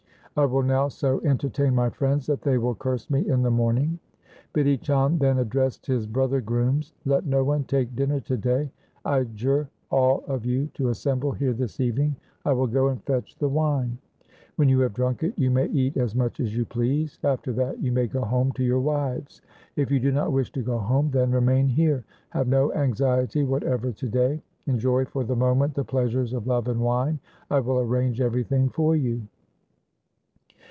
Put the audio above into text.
I will now so entertain my friends that they will curse me in the morning.' Bidhi Chand then addressed his brother grooms —' Let no one take dinner to day. I adjure all of you to assemble here this evening. I will go and fetch LIFE OF GURU HAR GOBIND 167 the wine. When you have drunk it, you may eat as much as you please. After that you may go home to your wives. If you do not wish to go home, then remain here. Have no anxiety whatever to day. Enjoy for the moment the pleasures of love and wine. I will arrange everything for you.'